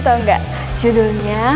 tau nggak judulnya